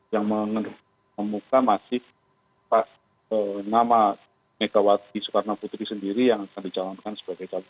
yang membuka masih nama megawati soekarno putri sendiri yang akan dicalonkan sebagai calon